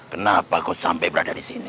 kenapa kau sampai berada disini